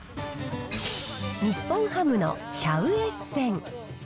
日本ハムのシャウエッセン。